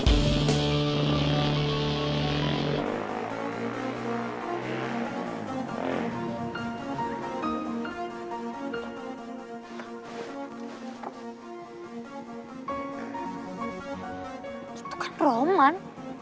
itu kan roman